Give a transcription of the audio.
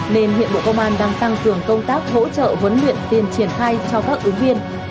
nên hiện bộ công an đang tăng cường công tác hỗ trợ huấn luyện tiền triển khai cho các ứng viên